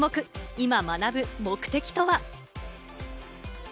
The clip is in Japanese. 今、学ぶ目的とは？